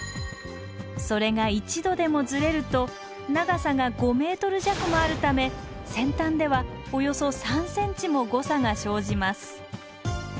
それが１度でもズレると長さが５ｍ弱もあるため先端ではおよそ３ｃｍも誤差が生じます。